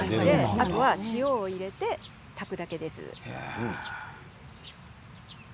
あとは塩を入れて炊くだけです。